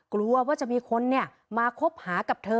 กลัวว่าจะมีคนมาคบหากับเธอ